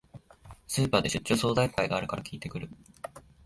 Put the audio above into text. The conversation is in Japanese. スーパーで出張相談会があるから聞いてくる